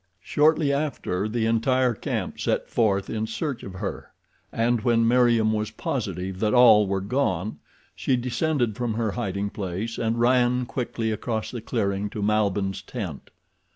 Shortly after the entire camp set forth in search of her and when Meriem was positive that all were gone she descended from her hiding place and ran quickly across the clearing to Malbihn's tent.